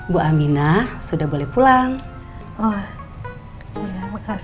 bu aminah sudah boleh pulang